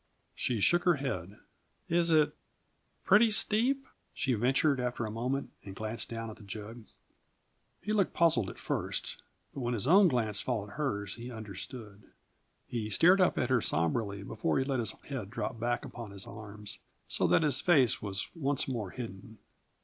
She shook her head. "Is it pretty steep?" she ventured after a moment, and glanced down at the jug. He looked puzzled at first, but when his own glance followed hers, he understood. He stared up at her somberly before he let his head drop back upon his arms, so that his face was once more hidden.